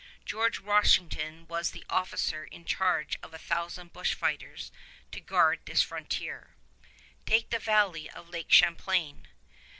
George Washington was the officer in charge of a thousand bushfighters to guard this frontier. Take the valley of Lake Champlain.